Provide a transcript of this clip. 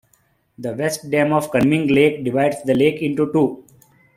The West Dam of Kunming Lake divides the lake into two.